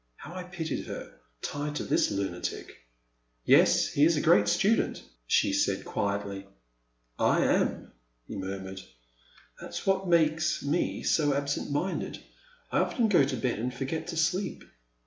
How I pitied her, tied to this lunatic ! Yes, he is a great student, she said, quietly. I am, he murmured, '* that *s what makes The Man at the Next Table. 363 me so absent minded. I often go to bed and forget to sleep.